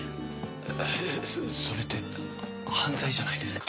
えっそれって犯罪じゃないですか。